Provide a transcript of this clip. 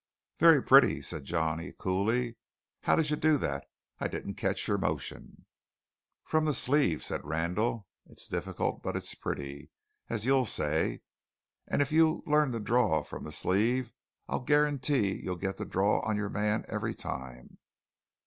"Very pretty," said Johnny coolly. "How did you do that? I didn't catch your motion." "From the sleeve," said Randall. "It's difficult, but it's pretty, as you say; and if you learn to draw from the sleeve, I'll guarantee you'll get the draw on your man every time."